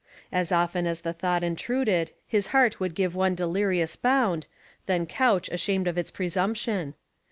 As often as the thought intruded, his heart would give one delirious bound, then couch ashamed of its presumption.